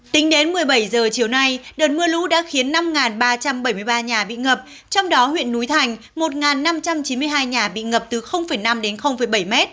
tính đến một mươi bảy h chiều nay đợt mưa lũ đã khiến năm ba trăm bảy mươi ba nhà bị ngập trong đó huyện núi thành một năm trăm chín mươi hai nhà bị ngập từ năm đến bảy m